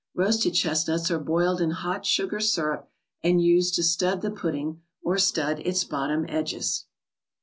Roasted chestnuts are boiled in hot sugar syrup, and used to stud the pudding, or stud its bottom edges.